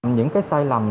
những cái sai lầm